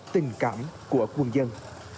tình cảm của quân dân